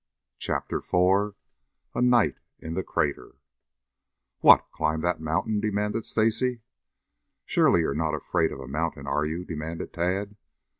CHAPTER IV A NIGHT IN THE CRATER "What, climb that mountain?" demanded Stacy. "Surely. You are not afraid of a mountain, are you?" demanded Tad.